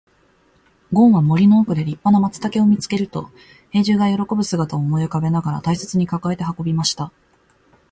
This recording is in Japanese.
ごんは森の奥で立派な松茸を見つけると、兵十が喜ぶ姿を思い浮かべながら大切に抱えて運びました。